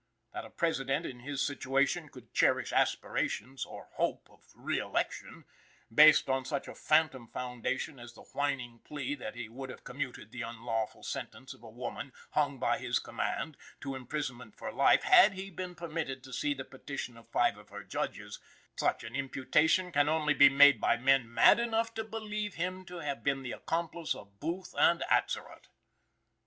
That a President in his situation could cherish aspirations or hope of reëlection, based on such a phantom foundation as the whining plea that he would have commuted the unlawful sentence of a woman, hung by his command, to imprisonment for life, had he been permitted to see the petition of five of her judges; such an imputation can only be made by men mad enough to believe him to have been the accomplice of Booth and Atzerodt.